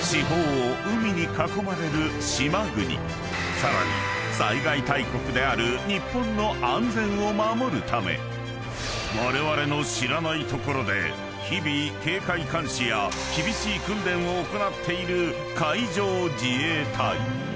［さらに災害大国である日本の安全を守るためわれわれの知らない所で日々警戒監視や厳しい訓練を行っている海上自衛隊］